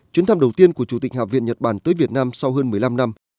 chuyến thăm đầu tiên của chủ tịch hạ viện nhật bản tới việt nam sau hơn một mươi năm năm